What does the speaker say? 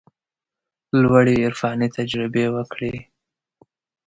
لوړې عرفاني تجربې وکړي.